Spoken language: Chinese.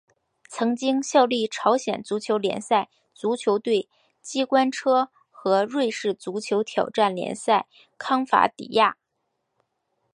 曾经效力朝鲜足球联赛足球队机关车和瑞士足球挑战联赛康戈迪亚。